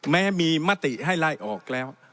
แม้มีมติให้ไล่ออกแล้ว